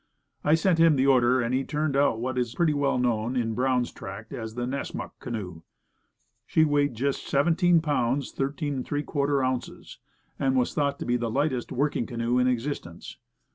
I sent him the order, and he turned out what is pretty well known in "Brown's Tract" as the "Nessmuk canoe." She weighed just 17 pounds 13^ ounces, and was thought to be the lightest working canoe in existence.